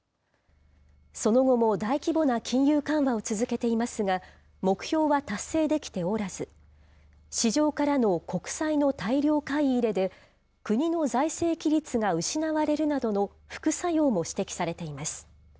その後も大規模な金融緩和を続けていますが、目標は達成できておらず、市場からの国債の大量買い入れで、国の財政規律が失われるなどの副作用も指摘されています。